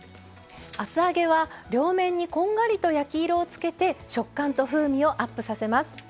厚揚げは両面にこんがりと焼き色をつけて食感と風味をアップさせます。